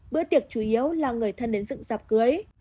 bữa tiệc chủ yếu là người thân đến dựng dạp cưới